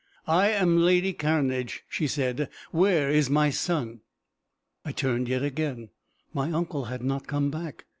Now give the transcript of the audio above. "I am lady Cairnedge," she said. "Where is my son?" I turned yet again. My uncle had not come back.